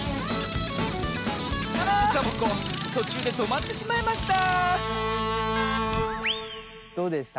サボ子とちゅうでとまってしまいましたどうでした？